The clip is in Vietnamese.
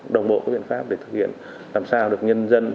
đồng bộ các biện pháp để thực hiện làm sao được nhân dân